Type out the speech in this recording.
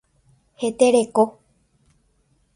Hetereko.